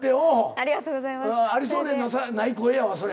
ありそうでない声やわそれ。